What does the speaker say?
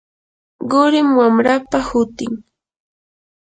qurim wamrapa hutin.